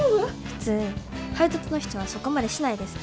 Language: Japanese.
普通配達の人はそこまでしないです。